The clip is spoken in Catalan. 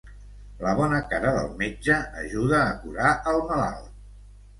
La bona cara del metge ajuda a curar el malalt.